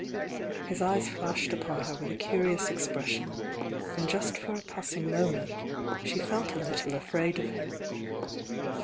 His eyes flashed upon her with a curious expres sion, and just for a passing moment she felt a little afraid of liim.